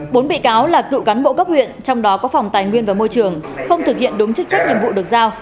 bốn bị cáo là cựu cán bộ cấp huyện trong đó có phòng tài nguyên và môi trường không thực hiện đúng chức trách nhiệm vụ được giao